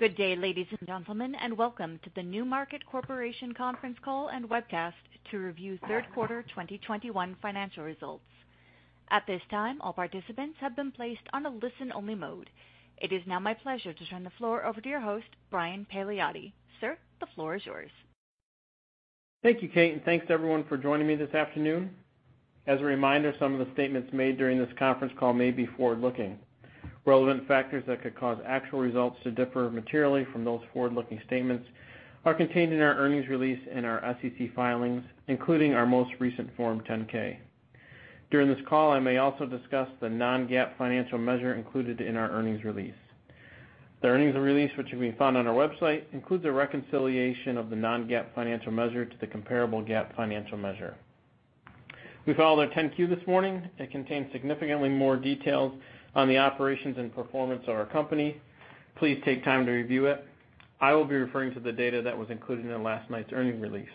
Good day, ladies and gentlemen, and welcome to the NewMarket Corporation conference call and webcast to review third quarter 2021 financial results. At this time, all participants have been placed on a listen-only mode. It is now my pleasure to turn the floor over to your host, Brian Paliotti. Sir, the floor is yours. Thank you, Kate, and thanks everyone for joining me this afternoon. As a reminder, some of the statements made during this conference call may be forward-looking. Relevant factors that could cause actual results to differ materially from those forward-looking statements are contained in our earnings release and our SEC filings, including our most recent Form 10-K. During this call, I may also discuss the non-GAAP financial measure included in our earnings release. The earnings release, which can be found on our website, includes a reconciliation of the non-GAAP financial measure to the comparable GAAP financial measure. We filed our 10-Q this morning. It contains significantly more details on the operations and performance of our company. Please take time to review it. I will be referring to the data that was included in last night's earnings release.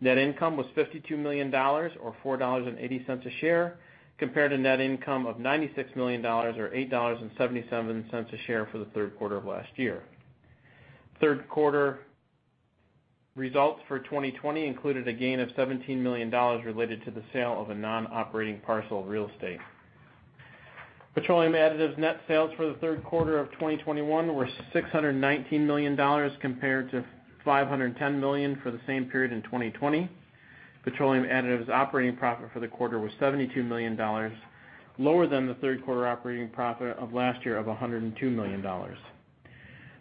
Net income was $52 million or $4.80 a share, compared to net income of $96 million or $8.77 a share for the third quarter of last year. Third quarter results for 2020 included a gain of $17 million related to the sale of a non-operating parcel of real estate. Petroleum additives net sales for the third quarter of 2021 were $619 million compared to $510 million for the same period in 2020. Petroleum additives operating profit for the quarter was $72 million, lower than the third quarter operating profit of last year of $102 million.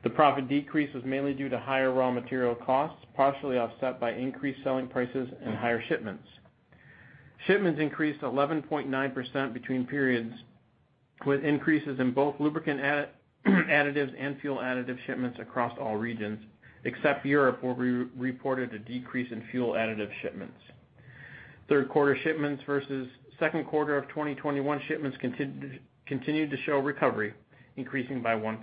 The profit decrease was mainly due to higher raw material costs, partially offset by increased selling prices and higher shipments. Shipments increased 11.9% between periods, with increases in both lubricant additives and fuel additive shipments across all regions, except Europe, where we reported a decrease in fuel additive shipments. Third quarter shipments versus second quarter of 2021 shipments continued to show recovery, increasing by 1%.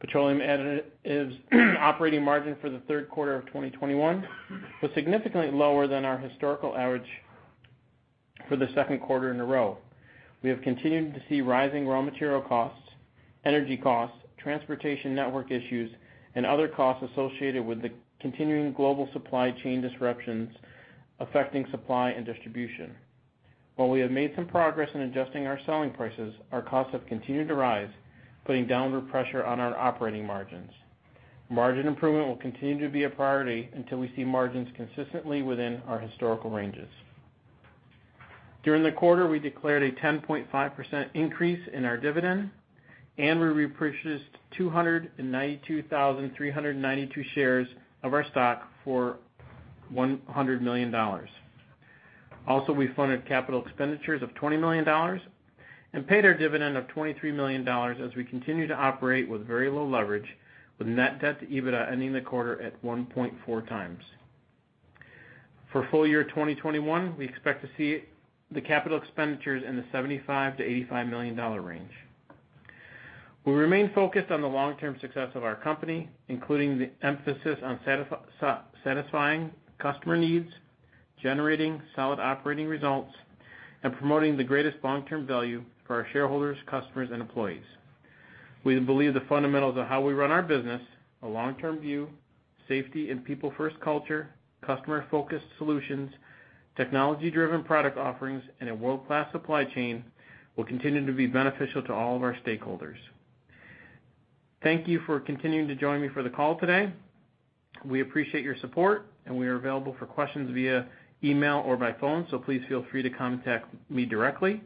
Petroleum additives operating margin for the third quarter of 2021 was significantly lower than our historical average for the second quarter in a row. We have continued to see rising raw material costs, energy costs, transportation network issues, and other costs associated with the continuing global supply chain disruptions affecting supply and distribution. While we have made some progress in adjusting our selling prices, our costs have continued to rise, putting downward pressure on our operating margins. Margin improvement will continue to be a priority until we see margins consistently within our historical ranges. During the quarter, we declared a 10.5% increase in our dividend, and we repurchased 292,392 shares of our stock for $100 million. Also, we funded capital expenditures of $20 million and paid our dividend of $23 million as we continue to operate with very low leverage with net debt to EBITDA ending the quarter at 1.4x. For full year 2021, we expect to see the capital expenditures in the $75 million-$85 million range. We remain focused on the long-term success of our company, including the emphasis on satisfying customer needs, generating solid operating results, and promoting the greatest long-term value for our shareholders, customers, and employees. We believe the fundamentals of how we run our business, a long-term view, safety and people-first culture, customer-focused solutions, technology-driven product offerings, and a world-class supply chain will continue to be beneficial to all of our stakeholders. Thank you for continuing to join me for the call today. We appreciate your support, and we are available for questions via email or by phone, so please feel free to contact me directly.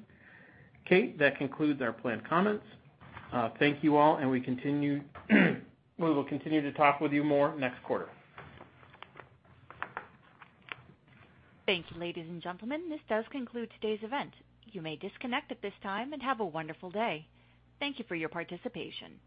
Kate, that concludes our planned comments. Thank you all, and we will continue to talk with you more next quarter. Thank you, ladies and gentlemen. This does conclude today's event. You may disconnect at this time, and have a wonderful day. Thank you for your participation.